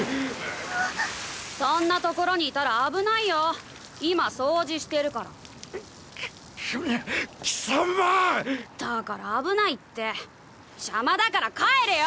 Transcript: あっそんな所にいたら危ないよ今掃除してうっくっき貴様だから危ないって邪魔だから帰れよ！